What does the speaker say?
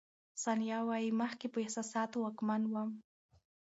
ثانیه وايي، مخکې په احساساتو واکمن وم.